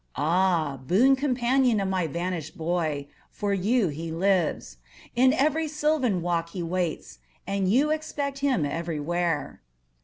Ah, boon companion of my vanished boy. For you he lives; in every sylvan walk He waits; and you expect him everywhere.